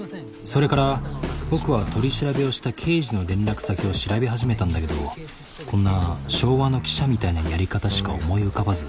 それから僕は取り調べをした刑事の連絡先を調べ始めたんだけどこんな昭和の記者みたいなやり方しか思い浮かばず。